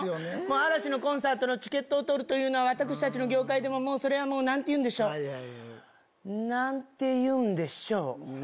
嵐のコンサートのチケットを取るというのは、私たちの業界でももうそれはもう、なんていうんでしょう、なんて言うんでしょう。